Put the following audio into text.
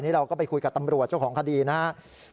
เราก็ไปคุยกับตำรวจเจ้าของคดีนะครับ